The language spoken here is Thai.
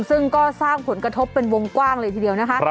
ซึ่งก็สร้างผลกระทบเป็นวงกว้างเลยทีเดียวนะคะ